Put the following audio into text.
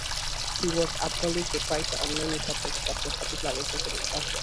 He was a prolific writer on many topics but was particularly interested in aphasia.